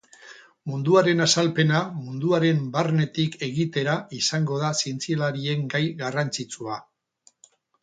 Munduaren azalpena munduaren barnetik egitera izango da zientzialarien gai garrantzitsua.